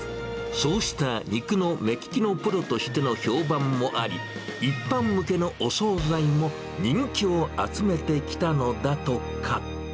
そうした肉の目利きのプロとしての評判もあり、一般向けのお総菜も人気を集めてきたのだとか。